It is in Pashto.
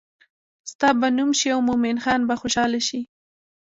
ستا به نوم شي او مومن خان به خوشحاله شي.